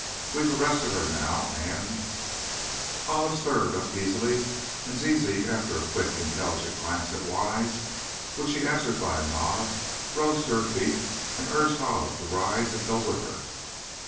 We've arrested her, now, and " Olive stirred uneasily, and Zizi, after a quick, intelligent glance at Wise, which he answered by a nod, rose to her feet, and urged Olive to rise and go with her.